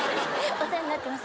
お世話になってます。